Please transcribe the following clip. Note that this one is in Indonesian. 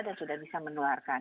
dan sudah bisa menularkan